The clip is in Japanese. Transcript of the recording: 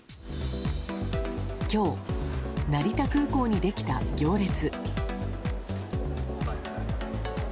今日、成田空港にできた行列。